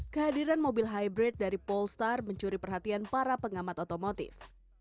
kehadiran mobil hybrid dari polestar mencuri perhatian para pengamat otomotif